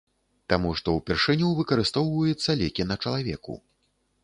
Таму што ўпершыню выкарыстоўваецца лекі на чалавеку.